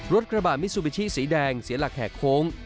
กระบาดมิซูบิชิสีแดงเสียหลักแหกโค้ง